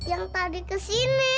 yang tadi ke sini